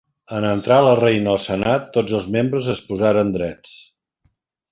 En entrar la reina al senat tots els membres es posaren drets.